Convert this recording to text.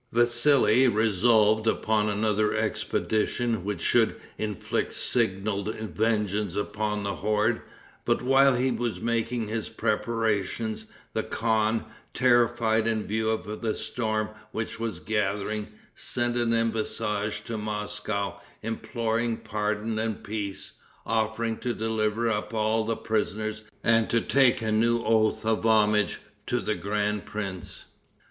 Vassili resolved upon another expedition which should inflict signal vengeance upon the horde. But while he was making his preparations, the khan, terrified in view of the storm which was gathering, sent an embassage to Moscow imploring pardon and peace, offering to deliver up all the prisoners and to take a new oath of homage to the grand prince.